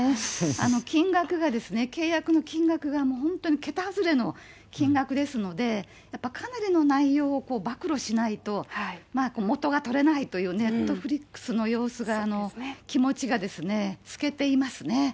金額がですね、契約の金額が、もう本当に桁外れの金額ですので、やっぱりかなりの内容を暴露しないと、元が取れないという、ネットフリックスの様子が、気持ちがですね、透けていますね。